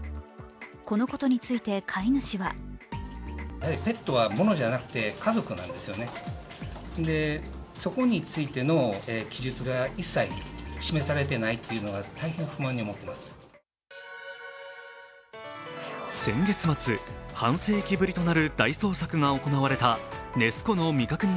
このことについて飼い主は先月末、半世紀ぶりとなる大捜索が行われたネス湖の未確認